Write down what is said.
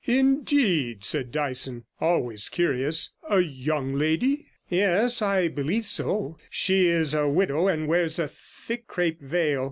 'Indeed,' said Dyson, always curious; 'a young lady?' 101 'Yes; I believe so. She is a widow, and wears a thick crape veil.